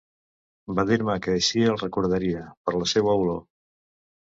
Va dir-me que així el recordaria, per la seua olor.